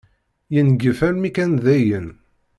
Yengef almi kan dayen.